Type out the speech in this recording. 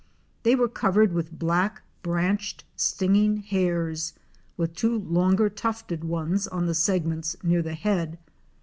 They were covered with black, branched, stinging hairs, with two longer tufted ones on the segments near the head.